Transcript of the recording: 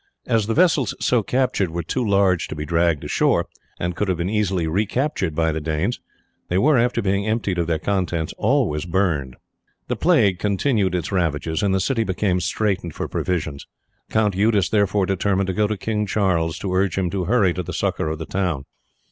As the vessels so captured were too large to be dragged ashore, and could have been easily recaptured by the Danes, they were, after being emptied of their contents, always burned. The plague continued its ravages, and the city became straitened for provisions. Count Eudes therefore determined to go to King Charles to urge him to hurry to the succour of the town.